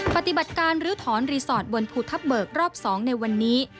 ปฏิบัติการลื้อถอนรีสอร์ทบนภูทับเบิกรอบ๒ในวันนี้